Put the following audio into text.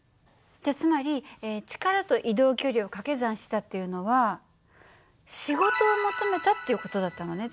じゃつまり力と移動距離を掛け算したっていうのは仕事を求めたっていう事だったのね。